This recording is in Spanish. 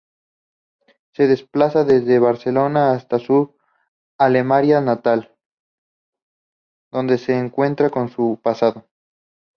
Se desplaza desde Barcelona hasta su Almería natal, donde se encuentra con su pasado.